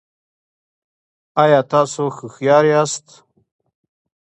ایا تاسو هوښیار یاست؟